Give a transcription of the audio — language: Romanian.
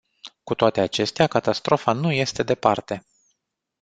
Cu toate acestea, catastrofa nu este departe.